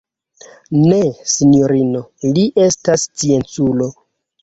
Ne, sinjorino: li estas scienculo.